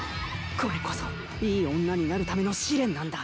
これこそいい女になるための試練なんだ